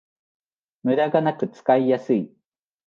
ムダがなく使いやすい